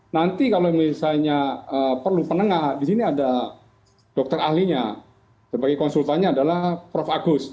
nanti kalau misalnya perlu penengah di sini ada dokter ahlinya sebagai konsultannya adalah prof agus